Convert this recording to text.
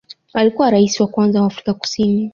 Alikuwa rais wa kwanza wa Afrika Kusini